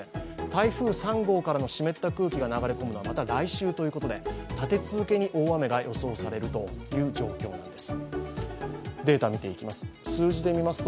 台風３号からの湿った空気が流れ込むのは、また来週ということで立て続けに大雨が予想される状況です。